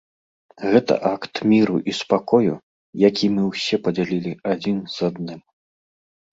Гэта акт міру і спакою, які мы ўсе падзялілі адзін з адным.